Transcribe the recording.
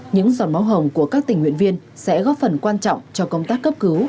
những giọt máu hồng của các tỉnh huyện viên sẽ góp phần quan trọng cho công tác cấp cứu